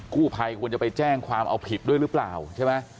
กู้ภัยควรจะไปแจ้งความเอาผิดด้วยหรือเปล่าใช่ไหม